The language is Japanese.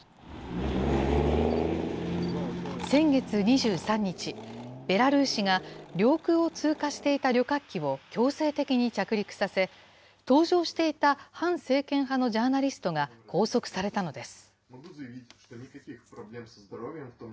先月２３日、ベラルーシが、領空を通過していた強制的に着陸させ、搭乗していた反政権派のジャーナリストが拘束されたのです。